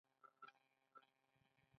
فساد مه کوئ